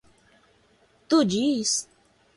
Tu diz?